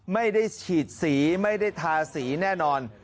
ไม่ได้ฉีดสีไม่ได้ทาสีแน่นอน